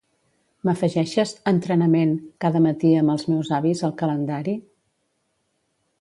M'afegeixes "entrenament" cada matí amb els meus avis al calendari?